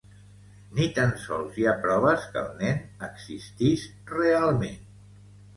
Ni tan sols hi ha proves que el nen existís realment.